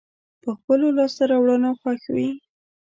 په خپلو لاسته راوړنو خوښ وي.